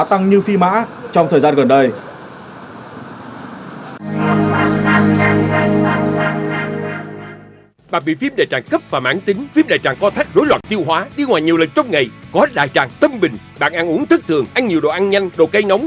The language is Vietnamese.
tăng như phi mã trong thời gian gần đây